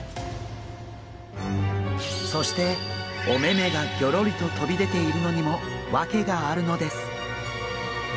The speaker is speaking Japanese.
そしてお目目がぎょろりと飛び出ているのにも訳があるのです。